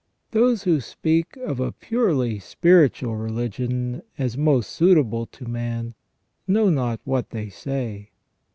Those who speak of a purely spiritual religion as most suitable to man know n6t what they say.